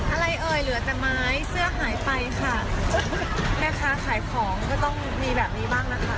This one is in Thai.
เอ่ยเหลือแต่ไม้เสื้อหายไปค่ะแม่ค้าขายของก็ต้องมีแบบนี้บ้างนะคะ